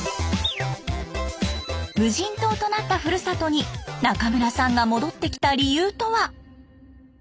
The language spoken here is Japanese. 無人島となったふるさとに中村さんが戻ってきた理由とは？